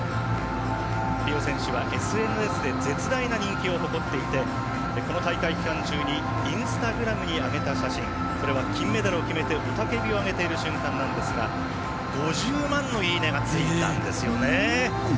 ビオ選手はＳＮＳで絶大な人気を誇っていて大会期間中にインスタグラムに上げた写真金メダルを決めて、雄たけびを上げている瞬間なんですが５０万のいいね！がついたんですよね。